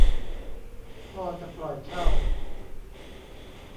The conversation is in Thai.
พ่อจะปล่อยเช่า